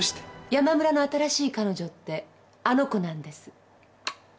「山村の新しい彼女」ってあの子なんです。